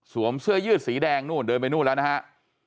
เสื้อยืดสีแดงนู่นเดินไปนู่นแล้วนะฮะ